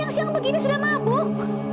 yang siang begini sudah mabuk